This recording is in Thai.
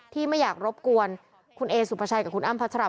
ไม่อยากรบกวนคุณเอสุภาชัยกับคุณอ้ำพัชรา